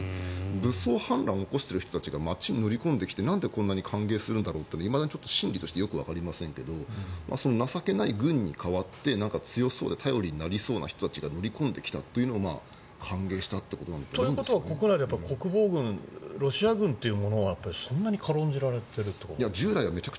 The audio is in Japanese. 武装反乱を起こしている人たちが街に乗り込んできてなんでこんなに歓迎するんだろうっていまだに心理としてよくわかりませんけど情けない軍に代わって強そうで頼りになりそうな人たちが乗り込んできたというのを歓迎したということなんですかね。ということは国防軍、ロシア軍というものはそんなに軽んじられているということですか？